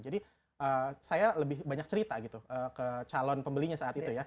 jadi saya lebih banyak cerita gitu ke calon pembelinya saat itu ya